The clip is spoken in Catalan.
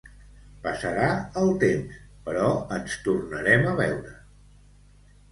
Passarà el temps, però ens tornarem a veure.